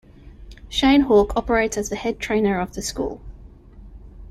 Shayne Hawke operates as the head trainer of the school.